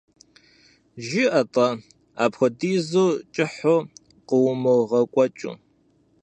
ЖыӀэ-тӀэ, апхуэдизу кӀыхьу къыумыгъэкӀуэкӀыу.